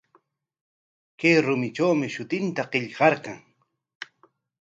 Chay rumitrawmi shutinta qillqarqan.